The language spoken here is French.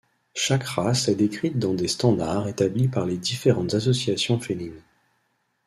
Chaque race est décrite dans des standards établis par les différentes associations félines.